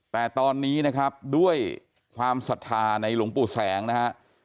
แต่ตอนนี้นะครับด้วยความศรัทธาในหลวงปู่แสงนะฮะ